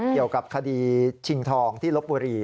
เกี่ยวกับคดีชิงทองที่ลบบุรี